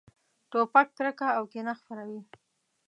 توپک کرکه او کینه خپروي.